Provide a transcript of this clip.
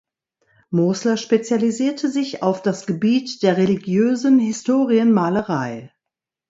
Mosler spezialisierte sich auf das Gebiet der religiösen Historienmalerei.